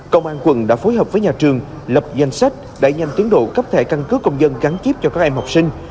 công an quận đã phối hợp với nhà trường lập danh sách đẩy nhanh tiến độ cấp thẻ căn cước công dân gắn chip cho các em học sinh